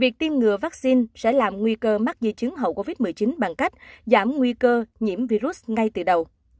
tham ngựa vaccine sẽ làm nguy cơ mắc di chứng hậu covid một mươi chín bằng cách giảm nguy cơ nhiễm virus ngay từ đầu